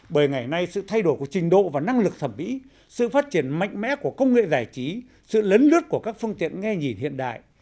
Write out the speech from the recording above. bởi ngày nay sự thay đổi của trình độ và năng lực thẩm mỹ sự phát triển mạnh mẽ của công nghệ giải trí sự lấn lướt của các phương tiện nghe nhìn hiện đại